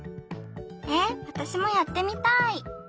えっわたしもやってみたい！